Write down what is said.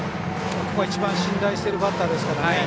ここは一番、信頼しているバッターですからね。